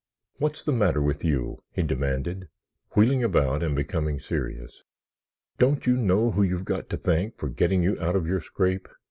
"What's the matter with you?" he demanded, wheeling about and becoming serious. "Don't you know who you've got to thank for getting you out of your scrape?